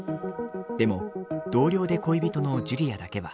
でも同僚で恋人のジュリアだけは。